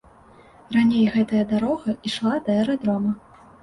Раней гэтая дарога ішла да аэрадрома.